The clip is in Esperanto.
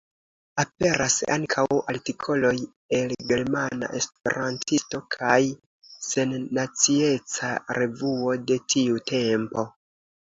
Aperas ankaŭ artikoloj el Germana Esperantisto kaj Sennacieca Revuo de tiu tempo.